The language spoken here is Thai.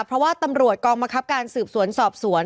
เพราะว่าตำรวจกองบังคับการสืบสวนสอบสวน